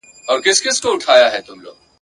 دا انجام وي د خپل قام د غلیمانو !.